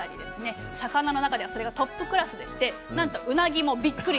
魚の中ではそれがトップクラスでしてなんとうなぎもびっくりと。